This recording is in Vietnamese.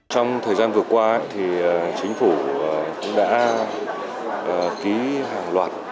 trong thời gian vừa qua chính phủ đã ký hàng loạt